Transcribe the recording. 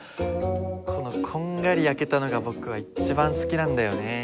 このこんがり焼けたのが僕は一番好きなんだよね。